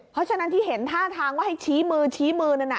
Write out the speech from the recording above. เพราะฉะนั้นที่เห็นท่าทางว่าให้ชี้มือชี้มือนั่นน่ะ